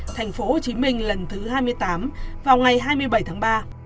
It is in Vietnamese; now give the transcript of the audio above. tp hcm lần thứ hai mươi tám vào ngày hai mươi bảy tháng ba